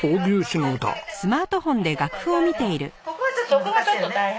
ここがちょっと大変。